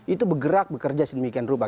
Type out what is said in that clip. itu bergerak bekerja sedemikian rupa